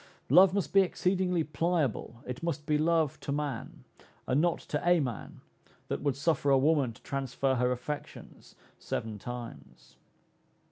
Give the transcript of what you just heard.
Love must be exceedingly pliable, it must be love to man, and not to a man, that would suffer a woman to transfer her affections seven times.